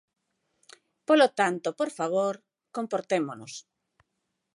Polo tanto, por favor, comportémonos.